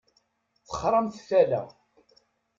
Texṛamt tala.